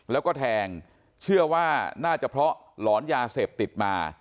แล้วก็แทงเชื่อว่าน่าจะเพราะหลอนยาเสพติดมา